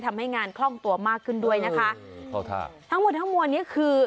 ทำให้งานคล่องตัวมากขึ้นด้วยนะคะทั้งหมดทั้งมวลนี้คือ